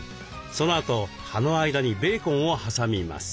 そのあと葉の間にベーコンを挟みます。